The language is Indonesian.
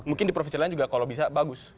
mungkin di provinsi lain juga kalau bisa bagus